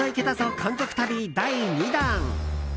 韓国旅第２弾。